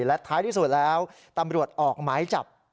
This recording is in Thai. และท้ายที่สุดแล้วตำรวจออกหมายจับ